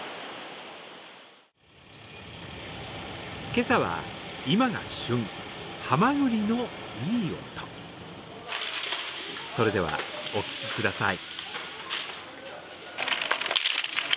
今朝は今が旬、はまぐりのいい音それではお聴きください。